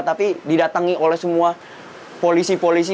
tapi didatangi oleh semua polisi polisi